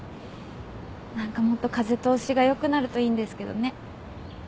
何かもっと風通しが良くなるといいんですけどね。